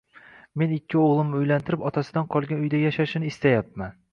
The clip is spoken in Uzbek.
Men ikki o`g`limni uylantirib, otasidan qolgan uyda yashashini istayapman